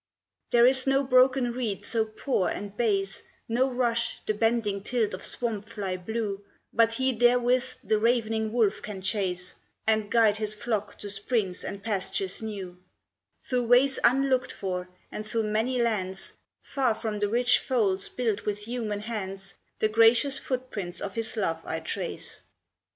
There is no broken reed so poor and base, No rush, the bending tilt of swamp fly blue, But he therewith the ravening wolf can chase, And guide his flock to springs and pastures new; Through ways unlooked for, and through many lands, Far from the rich folds built with human hands, The gracious footprints of his love I trace.